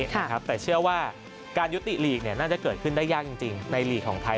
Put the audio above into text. แต่เชื่อว่าการยุติการแข่งขันฟุตบอลไทยลีกน่าจะเกิดขึ้นได้ยากจริงในลีกของไทย